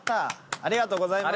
ありがとうございます。